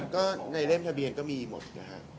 ก็ในเล่มทะเบียนก็มีหมดนะฮะ